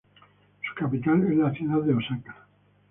Su capital es la ciudad de Osaka.